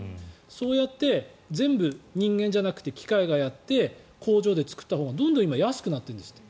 そうやって全部人間じゃなくて機械がやって工場で作ったほうがどんどん今安くなってるんですって。